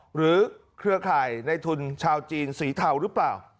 เครือข่ายในทุนชาวจีนสีเทาหรือเปล่า